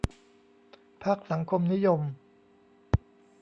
พรรคสังคมนิยม